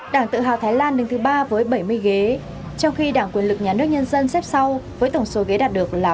đảng tự hào thái lan đứng thứ ba với bảy mươi ghế trong khi đảng quyền lực nhà nước nhân dân xếp sau với tổng số ghế đạt được là